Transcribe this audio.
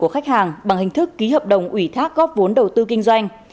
hình thức ký hợp đồng ủy thác góp vốn đầu tư kinh doanh